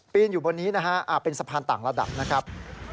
อยู่บนนี้นะฮะเป็นสะพานต่างระดับนะครับ